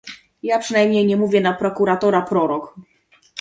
Ja przynajmniej nie mówię na prokuratora „prorok”.